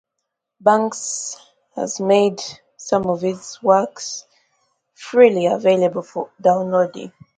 Banks has made some of his works freely available for downloading.